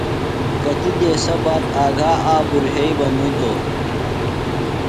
کتیۡ دیسہ باد آگھا آبرُوۡ یھئی بہ مُتوۡ۔